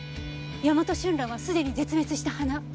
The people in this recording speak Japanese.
ヤマトシュンランは既に絶滅した花。